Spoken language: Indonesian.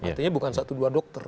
artinya bukan satu dua dokter